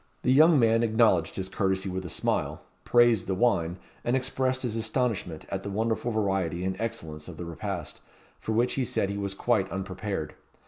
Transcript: The young man acknowledged his courtesy with a smile, praised the wine, and expressed his astonishment at the wonderful variety and excellence of the repast, for which he said he was quite unprepared.